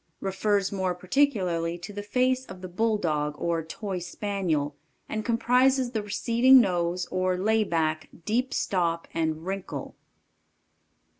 Refers more particularly to the face of the Bulldog or Toy Spaniel, and comprises the receding nose, or lay back, deep stop, and wrinkle.